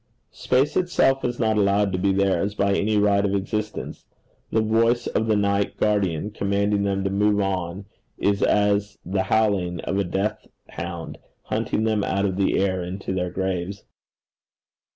Space itself is not allowed to be theirs by any right of existence: the voice of the night guardian commanding them to move on, is as the howling of a death hound hunting them out of the air into their graves.